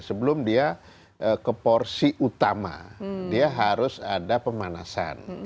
sebelum dia ke porsi utama dia harus ada pemanasan